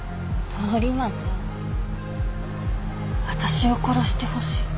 あたしを殺してほしい